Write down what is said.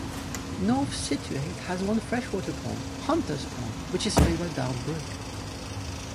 North Scituate has one freshwater pond, Hunter's Pond, which is fed by Bound Brook.